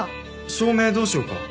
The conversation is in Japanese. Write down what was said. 「照明どうしようか？」